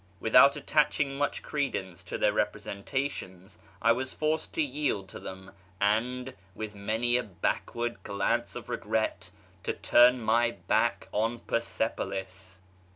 Without attaching much credence to their representations I was forced to yield to them, and, with many a backward glance of regret, to turn my back on Persepolis.